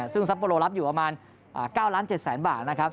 ซึ่งซัปโปรโลรับอยู่ประมาณ๙๗ล้านบาท